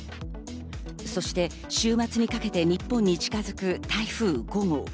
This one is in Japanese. そして週末にかけて日本に近づく台風５号。